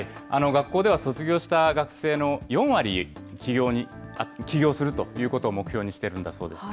学校では卒業した学生の４割、起業するということを目標にしているんだそうです。